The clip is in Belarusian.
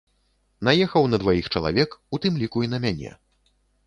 Наехаў на дваіх чалавек, у тым ліку і на мяне.